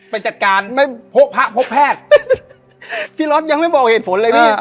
ไปจัดการไม่พบพระพบแพทย์พี่รถยังไม่บอกเหตุผลเลยพี่